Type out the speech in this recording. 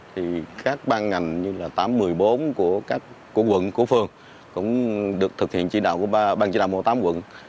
thì các ban ngành như là tám trăm một mươi bốn của quận của phường cũng được thực hiện chỉ đạo của ban chỉ đạo mô tám quận